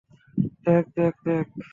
দেখ, দেখ, দেখ।